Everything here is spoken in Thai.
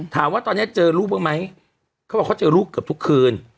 ถามว่าตอนนี้เจอลูกบ้างไหมเขาบอกเขาเจอลูกเกือบทุกคืน